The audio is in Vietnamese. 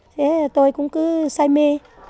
thế tôi cũng cứ say mê